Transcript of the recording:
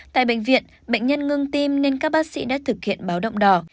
tại bệnh viện bệnh nhân ngưng tim nên các bác sĩ đã thực hiện báo động đỏ